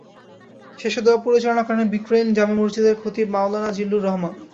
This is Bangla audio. শেষে দোয়া পরিচালনা করেন ব্রিকলেইন জামে মসজিদের খতিব মওলানা জিল্লুর রহমান।